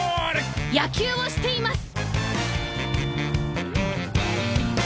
野球をしています！